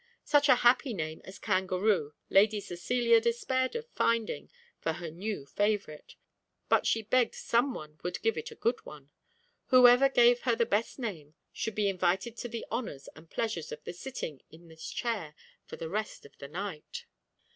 Such a happy name as kangaroo Lady Cecilia despaired of finding for her new favourite, but she begged some one would give it a good one; whoever gave her the best name should be invited to the honours and pleasures of the sitting in this chair for the rest of the night.